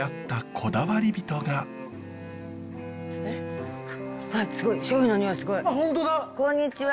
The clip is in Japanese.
こんにちは。